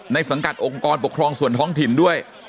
สังกัดองค์กรปกครองส่วนท้องถิ่นด้วย